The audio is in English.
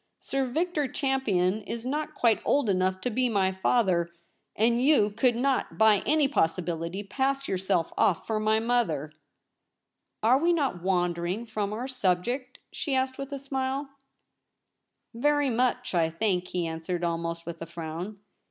' Sir Victor Champion is not quite old enough to be my father — and you could not by any possibility pass yourself off for my mother.' ' Are we not wandering from our subject ?' she asked with a smile. 240 THE REBEL ROSE. ' Very much, I think,' he answered, almost with a frown.